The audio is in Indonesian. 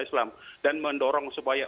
islam dan mendorong supaya